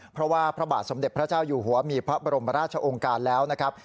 เพราะว่าพระบาทสมเด็จพระเจ้าอยู่หัวมีพระบรมราชองค์การแล้วนะครับ